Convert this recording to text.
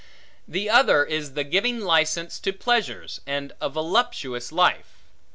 The other is the giving license to pleasures, and a voluptuous life.